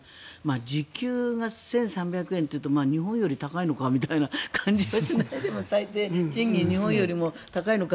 時給が１３００円というと日本より高いのかみたいな感じも最低賃金、日本よりも高いのか？